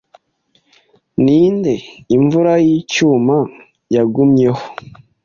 Ninde imvura yicyuma yagumyeho